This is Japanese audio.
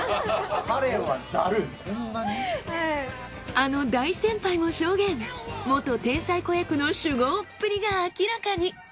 あの大先輩も証言元天才子役の酒豪っぷりが明らかに。